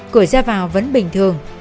cửa ra vào vẫn bình thường